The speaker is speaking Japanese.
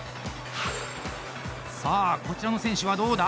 さあ、こちらの選手はどうだ？